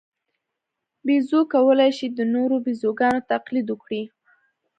بیزو کولای شي د نورو بیزوګانو تقلید وکړي.